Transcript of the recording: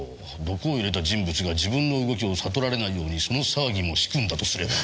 毒を入れた人物が自分の動きを悟られないようにその騒ぎも仕組んだとすれば。